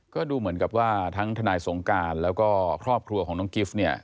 ก็ดูเหมือนกับว่าทั้งทนายสงการแล้วก็ครอบครัวของน้องกิฟต์เนี่ย